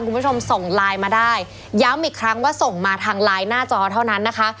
คุณผู้ชมส่งไลน์มาได้ย้ำอีกครั้งว่าส่งมาทางไลน์หน้าจอเท่านั้นนะคะ